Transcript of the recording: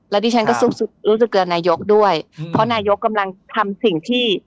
แล้วดิฉันก็รู้สึกเตือนนายกด้วยเพราะนายกกำลังทำสิ่งที่